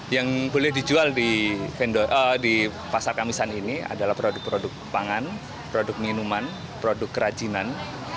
yang boleh dijual di pasar kamisan ini adalah produk produk pangan produk minuman produk kerajinan